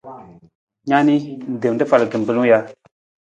Na ni, ng tem rafal kimbilung ja?